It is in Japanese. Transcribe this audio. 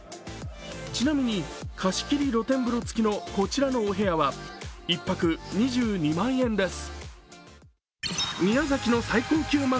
ちなみに、貸し切り露天風呂付きのこちらのお部屋は、１泊２２万円です。